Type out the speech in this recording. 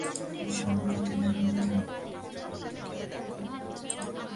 সম্প্রতি লালবাগ থানার পুলিশ দোকান থেকে তাঁকে আটক করে নিয়ে যায়।